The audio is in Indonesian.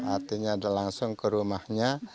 artinya langsung ke rumahnya